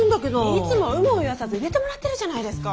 いつも有無を言わさず入れてもらってるじゃないですか。